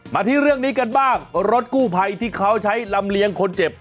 มาที่เรื่องนี้กันบ้างรถกู้ภัยที่เขาใช้ลำเลียงคนเจ็บ